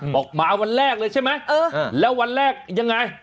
บอกมาวันแรกเลยใช่ไหมแล้ววันแรกยังไง